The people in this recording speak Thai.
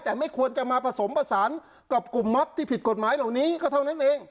แต่ไม่ควรจะมาผสมผสานกับกลุ่มมอบที่ผิดกฎหมายเหล่านี้ก็เท่านั้นเอง